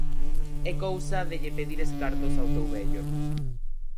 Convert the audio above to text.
É cousa de lle pedires cartos ao teu vello.